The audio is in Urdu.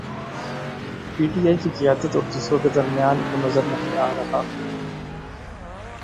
پی ٹی آئی کی قیادت اور دوسروں کے درمیان وہ نظر نہیں آ رہا۔